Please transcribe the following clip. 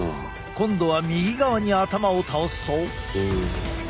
今度は右側に頭を倒すと。